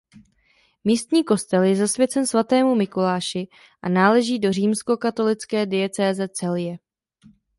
Místní kostel je zasvěcen svatému Mikuláši a náleží do Římskokatolické diecéze Celje.